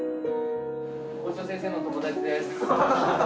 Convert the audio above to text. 校長先生の友達です。